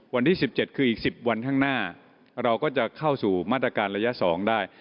วันที่สิบเจ็ดคืออีกสิบวันข้างหน้าเราก็จะเข้าสู่มาตรการระยะสองได้